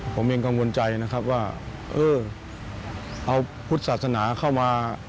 ผมเองกังวลใจนะครับว่าเออเอาพุทธศาสนาเข้ามา